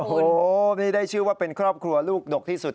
โอ้โหนี่ได้ชื่อว่าเป็นครอบครัวลูกดกที่สุด